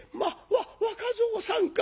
わっ若蔵さんか！